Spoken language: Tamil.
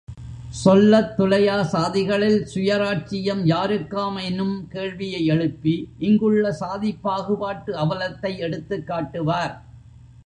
சொல்லத்துலையா சாதிகளில் சுயராட்சியம் யாருக்காம் என்னும் கேள்வியை எழுப்பி இங்குள்ள சாதிப்பாகுபாட்டு அவலத்தை எடுத்துக் காட்டுவார்.